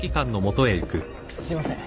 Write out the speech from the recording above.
すいません。